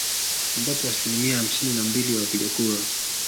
ambapo asilimia hamsini na mbili ya wapiga kura